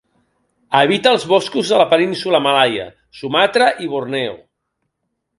Habita els boscos de la Península Malaia, Sumatra i Borneo.